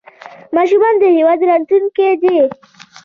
ماشومان د هېواد راتلونکی دی